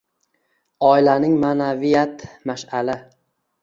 Oilaning maʼnaviyat mashʼali